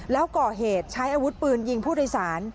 แล้วก่อเหตุใช้อาวุธปืนยิงผู้โดยสาร